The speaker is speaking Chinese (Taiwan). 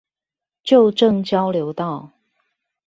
舊正交流道